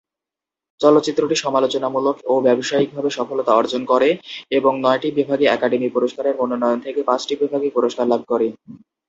চলচ্চিত্রটি সমালোচনামূলক ও ব্যবসায়িকভাবে সফলতা অর্জন করে এবং নয়টি বিভাগে একাডেমি পুরস্কারের মনোনয়ন থেকে পাঁচটি বিভাগে পুরস্কার লাভ করে।